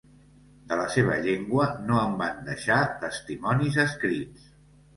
De la seva llengua no en van deixar testimonis escrits.